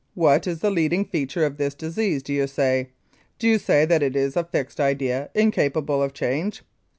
What is the leading feature of this disease, do you say ? Do you say that it is a fixed idea incapable of change?